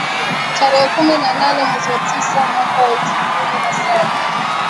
Tarehe kumi na nane mwezi tisa mwaka wa elfu mbili na saba